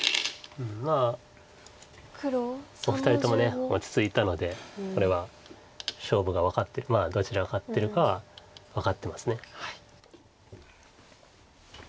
まあお二人とも落ち着いたのでこれは勝負が分かってどちらが勝ってるかは分かってます。